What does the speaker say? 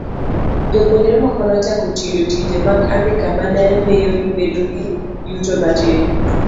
Jopuonjre moko nochako tiyo tije mag andika ma ne miyo gibedo gi yuto matin.